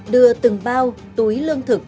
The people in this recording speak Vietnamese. đưa từng bao túi lương thực